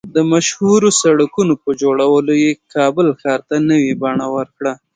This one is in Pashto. د مشهورو سړکونو په جوړولو یې کابل ښار ته نوې بڼه ورکړه